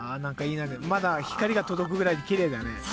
まだ光が届くぐらいきれいだね。